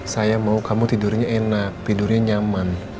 saya mau kamu tidurnya enak tidurnya nyaman